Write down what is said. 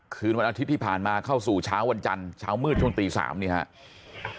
คืนวันอาทิตย์ที่ผ่านมาเข้าสู่เช้าวันจันทร์เช้ามืดช่วงตี๓นี่ครับ